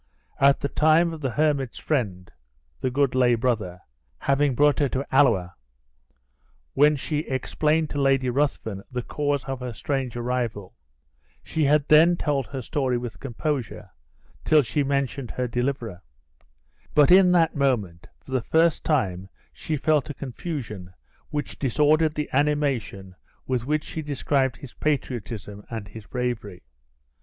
At the time of the hermit's friend (the good lay brother), having brought her to Alloa, when she explained to Lady Ruthven the cause of her strange arrival, she had then told her story with composure, till she mentioned her deliverer; but in that moment, for the first time she felt a confusion which disordered the animation with which she described his patriotism and his bravery.